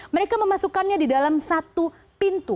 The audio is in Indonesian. mereka memasukkannya di dalam satu pintu